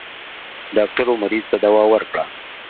ډاکټر و مريض ته دوا ورکړه.